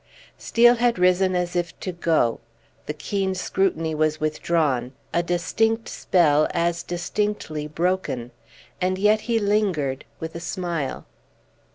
Steel had risen as if to go; the keen scrutiny was withdrawn, a distinct spell as distinctly broken; and yet he lingered, with a smile.